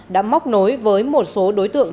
đã móc nối với một số đối tượng